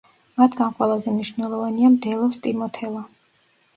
მათგან ყველაზე მნიშვნელოვანია მდელოს ტიმოთელა.